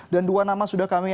dan dua nama sudah kami tampilkan